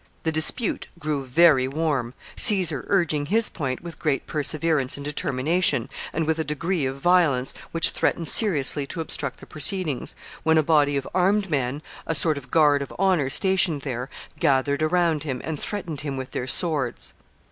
The dispute grew very warm, Caesar urging his point with great perseverance and determination, and with a degree of violence which threatened seriously to obstruct the proceedings, when a body of armed men, a sort of guard of honor stationed there, gathered around him, and threatened him with their swords.